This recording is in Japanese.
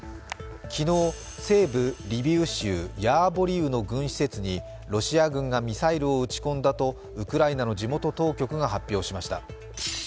昨日、西部リビウ州ヤーヴォリウの軍施設にロシア軍がミサイルを撃ち込んだとウクライナの地元当局が発表しました。